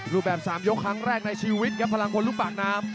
รูปแบบ๓ยกครั้งแรกในชีวิตครับพลังพลลูกปากน้ำ